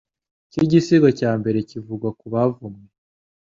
cy'igisigo cya mbere kivuga ku bavumwe